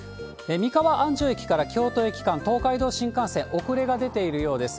三河安城駅から京都駅間、東海道新幹線、遅れが出ているようです。